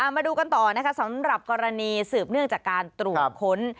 มาดูกันต่อนะคะสำหรับกรณีสืบเนื่องจากการตรวจค้น